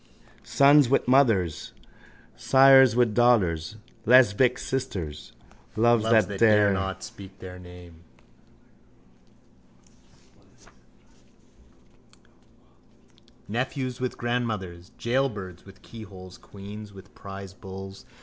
Sons with mothers, sires with daughters, lesbic sisters, loves that dare not speak their name, nephews with grandmothers, jailbirds with keyholes, queens with prize bulls.